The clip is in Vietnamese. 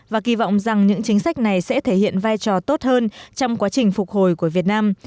và kỳ vọng rằng những chính sách này sẽ thể hiện vai trò tốt hơn trong quá trình phục hồi của việt nam